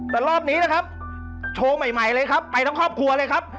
แต่รอบนี้นะครับโชว์ใหม่เลยครับไปทั้งครอบครัวเลยครับ